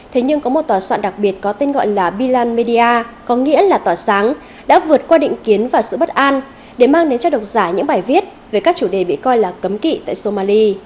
thế nhưng có một tòa soạn đặc biệt có tên gọi là bilan media có nghĩa là tỏa sáng đã vượt qua định kiến và sự bất an để mang đến cho độc giả những bài viết về các chủ đề bị coi là cấm kỵ tại somali